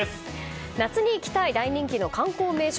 夏に行きたい大人気の観光名所